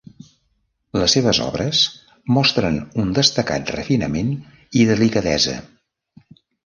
Les seves obres mostren un destacat refinament i delicadesa.